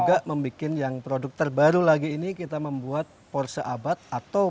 dan sekarang orang ingin kembali ke masa lalu